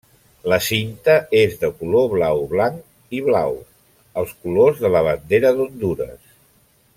La cinta és de color blau, blanc i blau, els colors de la bandera d'Hondures.